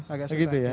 agak susah ya